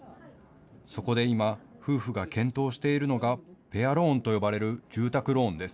そこで今、夫婦が検討しているのがペアローンと呼ばれる住宅ローンです。